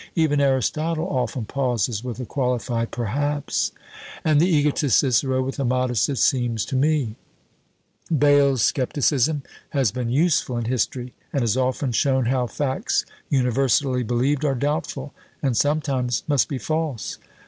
Even Aristotle often pauses with a qualified perhaps, and the egotist Cicero with a modest it seems to me. Bayle's scepticism has been useful in history, and has often shown how facts universally believed are doubtful, and sometimes must be false.